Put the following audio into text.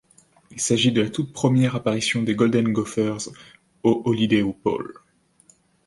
Il s'agit de la toute première apparition des Golden Gophers au Holiday Bowl.